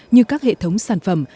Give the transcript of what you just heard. như các hệ thống sản phẩm